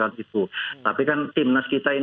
tapi kan timnas kita ini kan lagi dalam perkembangan